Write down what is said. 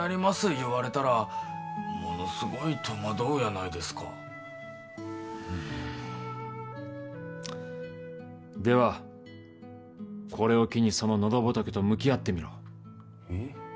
言われたらものすごい戸惑うやないですかではこれを機にその喉仏と向き合ってみろえッ？